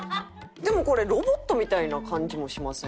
でもこれロボットみたいな感じもしません？